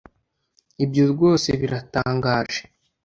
ibyo rwose biratangaje